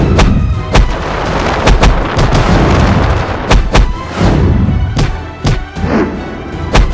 memang tidak dapat